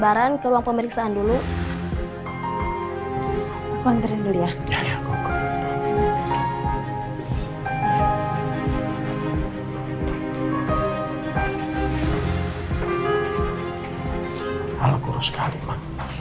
dan kebun ya